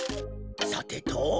さてと。